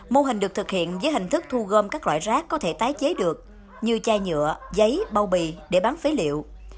mô hình được thực hiện dưới hình thức thu gom các loại rác có thể tái chế được như chai nhựa giấy bao bì để bán phế liệu